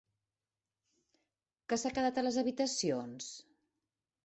Que s'ha quedat a les habitacions?